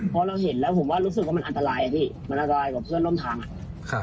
พอเราเห็นแล้วผมว่ารู้สึกว่ามันอันตรายอ่ะพี่มันอันตรายกว่าเพื่อนร่วมทางอ่ะ